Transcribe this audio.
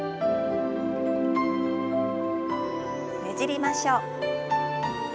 ねじりましょう。